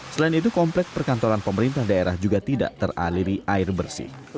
selain itu komplek perkantoran pemerintah daerah juga tidak teraliri air bersih